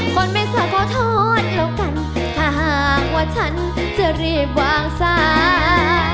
คนไม่สาขอโทษแล้วกันถ้าหากว่าฉันจะรีบวางสาย